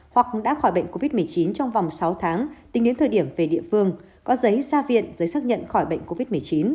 hoặc đã khỏi bệnh covid một mươi chín trong vòng sáu tháng tính đến thời điểm về địa phương có giấy ra viện giấy xác nhận khỏi bệnh covid một mươi chín